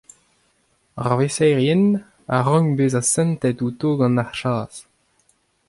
ar vêsaerien a rank bezañ sentet outo gant ar chas.